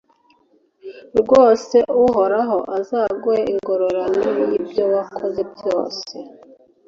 rwose uhoraho azaguhe ingororano y'ibyo wakoze byose